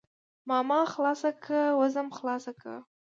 ماما خلاصه که وځم خلاصه که.